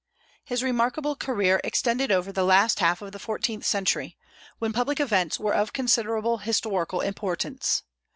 His remarkable career extended over the last half of the fourteenth century, when public events were of considerable historical importance.